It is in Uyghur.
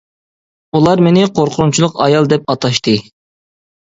ئۇلار مېنى «قورقۇنچلۇق ئايال» دەپ ئاتاشتى.